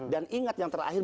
dan ingat yang terakhir